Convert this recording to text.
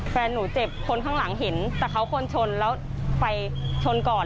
แฟนหนูเจ็บคนข้างหลังเห็นแต่เขาคนชนแล้วไฟชนก่อน